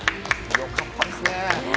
よかったですね。